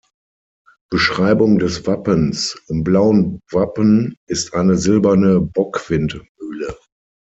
Beschreibung des Wappens: Im blauen Wappen ist eine silberne Bockwindmühle.